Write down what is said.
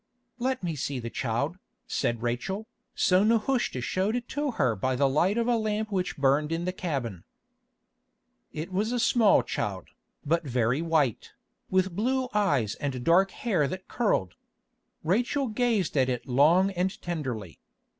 "Let me see the child," said Rachel. So Nehushta showed it to her by the light of a lamp which burned in the cabin. It was a small child, but very white, with blue eyes and dark hair that curled. Rachel gazed at it long and tenderly.